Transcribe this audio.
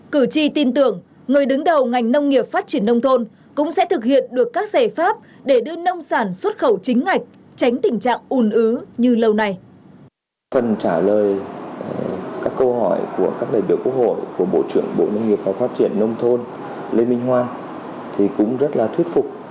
cử tri tin tưởng người đứng đầu ngành nông nghiệp phát triển nông thôn cũng sẽ thực hiện được các giải pháp để đưa nông sản xuất khẩu chính ngạch tránh tình trạng ùn ứ như lâu nay